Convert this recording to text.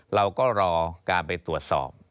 เราก็รอการไปตรวจสอบ